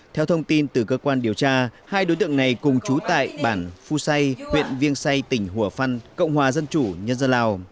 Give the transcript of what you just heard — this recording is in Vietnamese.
theo thông tin từ cơ quan điều tra hai đối tượng này cùng trú tại bản phu say huyện viêng say tỉnh hùa phăn cộng hòa dân chủ nhân dân lào